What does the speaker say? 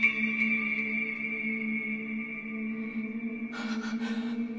ああ！